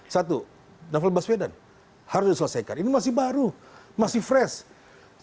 satu novel baswedan harus diselesaikan ini masih baru masih fresh